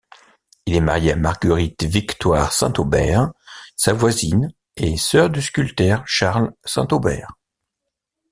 Il est marié à Marguerite-Victoire Saint-Aubert, sa voisine et sœur du sculpteur Charles Saint-Aubert.